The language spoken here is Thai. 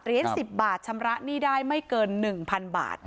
เหรียญสิบบาทชำระหนี้ได้ไม่เกินหนึ่งพันบาท